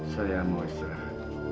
saya mau istirahat